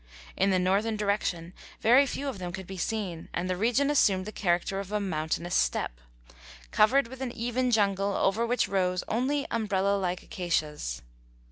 In the northern direction very few of them could be seen and the region assumed the character of a mountainous steppe, covered with an even jungle over which rose only umbrella like acacias.